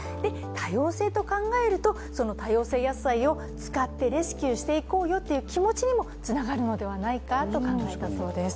多様性と考えると、その多様性野菜を使ってレスキューしていこうよという気持ちにもつながるのではないかと考えたそうです。